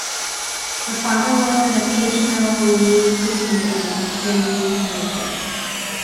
Her father was an occasional lay preacher and carriage maker.